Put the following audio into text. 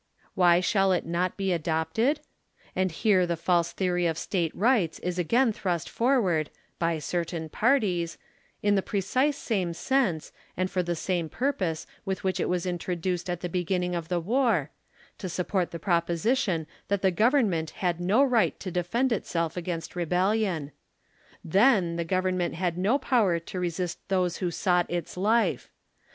"Why shall it not be adopted ? And here the false theory 13 of State rights is again tlirust forward, by certain jyarties, in the precise same sense, and for the same purpose with which it was introduced at the hes innino of the war, to support the proposition that the Government had no right to defend itself against rebeUion. Then the Government had no power to resist those who sought its Hfe